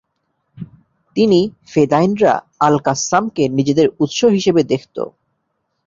তিনি ফেদাইনরা আল-কাসসামকে নিজেদের উৎস হিসেবে দেখত।